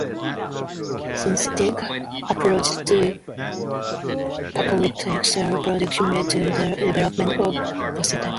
Synthetic approaches to paclitaxel production led to the development of docetaxel.